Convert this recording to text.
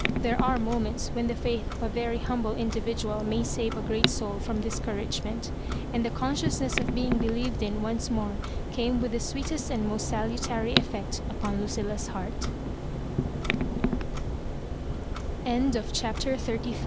There are moments when the faith of a very humble individual may save a great soul from discouragement ; and the con sciousness of being believed in once more came with the sweetest and most salutary effect upon Lucilla's heart CHAPTER XXXVI.